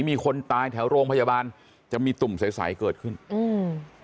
มีคนตายแถวโรงพยาบาลจะมีตุ่มใสใสเกิดขึ้นอืม